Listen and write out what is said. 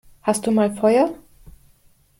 Hast du mal Feuer?